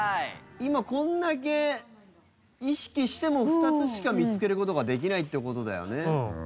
今これだけ意識しても２つしか見つける事ができないって事だよね。